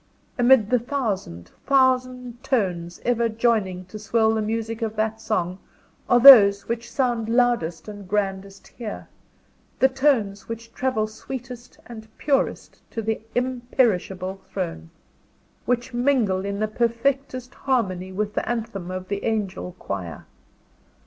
Amid the thousand, thousand tones ever joining to swell the music of that song, are those which sound loudest and grandest here, the tones which travel sweetest and purest to the Imperishable Throne; which mingle in the perfectest harmony with the anthem of the angel choir!